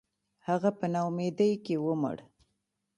• هغه په ناامیدۍ کې ومړ.